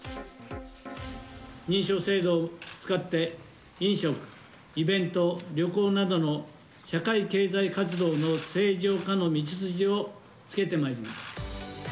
認証制度を使って、飲食、イベント、旅行などの社会経済活動の正常化の道筋をつけてまいります。